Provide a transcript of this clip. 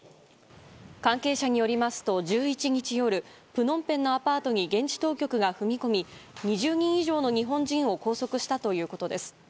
関係者によりますと、１１日夜プノンペンのアパートに現地当局が踏み込み２０人以上の日本人を拘束したということです。